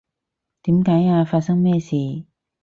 點解呀？發生咩事？